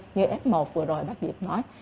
như f một vừa rồi bác diệp nói